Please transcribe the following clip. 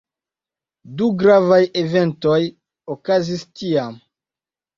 Du gravaj eventoj okazis tiam.